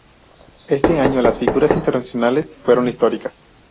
Este año las figuras internacionales fueron históricas.